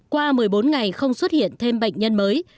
qua một mươi bốn ngày không xuất hiện thêm bệnh nhân mới